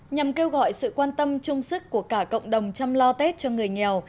nhằm kêu gọi sự quan tâm chung sức của cả cộng đồng chăm lo tết cho người nghèo